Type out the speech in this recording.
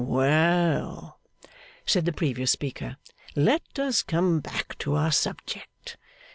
'Well!' said the previous speaker, 'let us come back to our subject.